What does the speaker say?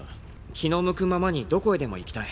気の向くままにどこへでも行きたい。